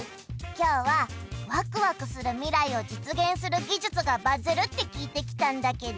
今日はワクワクする未来を実現する技術がバズるって聞いて来たんだけど